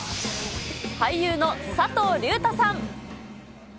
俳優の佐藤隆太さん。